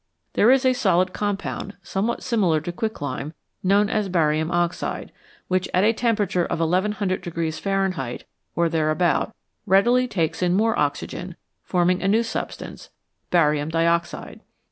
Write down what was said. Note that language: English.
There is a solid compound, somewhat similar to quicklime, known as barium oxide, which at a temperature of 1100 Fahrenheit or thereabout readily takes in more oxygen, forming a new substance barium dioxide.